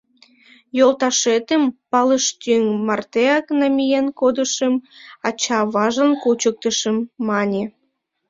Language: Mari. «Йолташетым Пылыштӱҥ мартеак намиен кодышым, ача-аважлан кучыктышым», — мане.